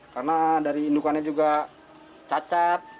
karena dari indukannya juga cacat